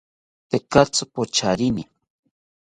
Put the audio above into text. Tekatzi pocharini